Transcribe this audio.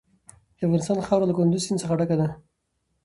د افغانستان خاوره له کندز سیند څخه ډکه ده.